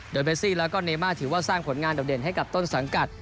โดยเบสซี่แล้วก็เนม่าถือว่าสร้างผลงานโดดเด่นให้กับต้นสังกัด